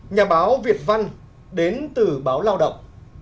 nhà báo việt văn đến từ báo lao động